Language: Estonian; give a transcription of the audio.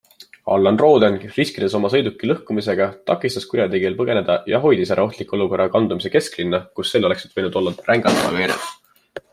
Allan Rooden, riskides oma sõiduki lõhkumisega, takistas kurjategijal põgeneda ja hoidis ära ohtliku olukorra kandumise kesklinna, kus sel oleksid võinud olla rängad tagajärjed.